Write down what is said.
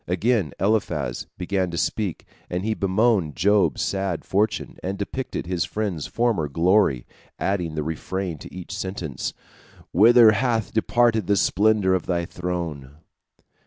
Again Eliphaz began to speak, and he bemoaned Job's sad fortune, and depicted his friend's former glory, adding the refrain to each sentence, "Whither hath departed the splendor of thy throne?"